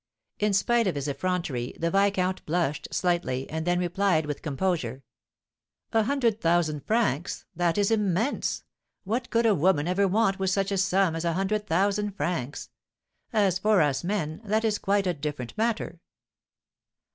In spite of his effrontery, the viscount blushed slightly, and then replied, with composure: "A hundred thousand francs? that is immense! What could a woman ever want with such a sum as a hundred thousand francs? As for us men, that is quite a different matter."